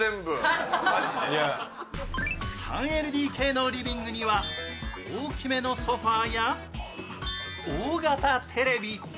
３ＬＤＫのリビングには大きめのソファーや大型テレビ。